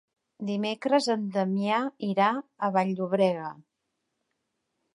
Dimecres en Damià irà a Vall-llobrega.